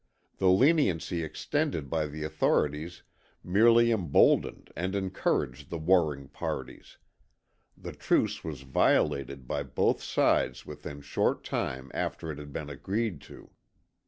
The leniency extended by the authorities merely emboldened and encouraged the warring parties the truce was violated by both sides within a short time after it had been agreed to.